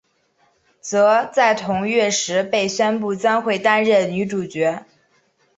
则在同月时被宣布将会担任女主角。